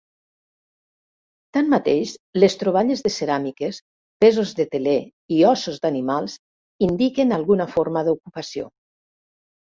Tanmateix, les troballes de ceràmiques, pesos de teler i ossos d'animals indiquen alguna forma d'ocupació.